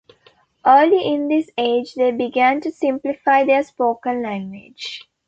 Early in this age, they began to simplify their spoken language.